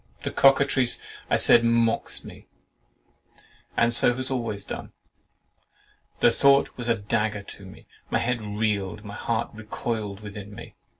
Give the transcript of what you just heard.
The cockatrice, I said, mocks me: so she has always done. The thought was a dagger to me. My head reeled, my heart recoiled within me.